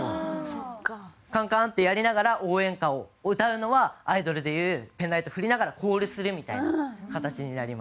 カンカンってやりながら応援歌を歌うのはアイドルでいうペンライトを振りながらコールするみたいな形になります。